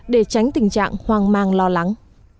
để tránh tình trạng hoang mang lo lắng